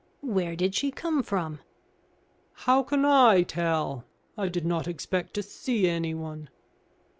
"Where did she come from?" "How can I tell? I did not expect to see anyone."